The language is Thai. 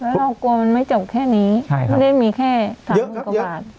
แล้วเรากลัวมันไม่จบแค่นี้ใช่ครับมันได้มีแค่สามหมื่นกว่าบาทเยอะครับเยอะ